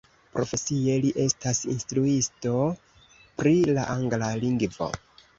Profesie li estas instruisto pri la angla lingvo.